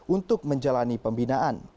untuk menjalani pembinaan